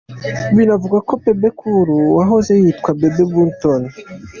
Binavugwa ko Bebe Cool wahoze yitwa Bebe Bunton.